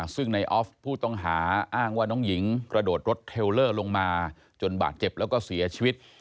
ซึ่งในออฟผู้ต้องหาอ้างว่าน้องหญิงกระโดดรถเทลเลอร์ลงมาจนบาดเจ็บแล้วก็เสียชีวิต